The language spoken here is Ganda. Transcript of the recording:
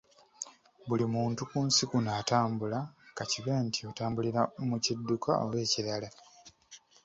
Buli muntu ku nsi kuno atambula, ka kibe nti otambulira mu kidduka, oba ekirala.